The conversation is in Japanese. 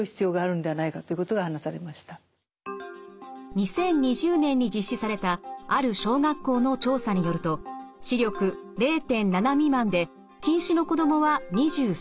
２０２０年に実施されたある小学校の調査によると視力０．７未満で近視の子どもは２３％でした。